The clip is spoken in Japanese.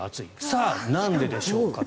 さあなんででしょうかと。